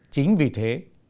chính vì thế